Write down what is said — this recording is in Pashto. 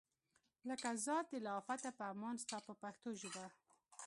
لکه ذات دی له آفته په امان ستا په پښتو ژبه.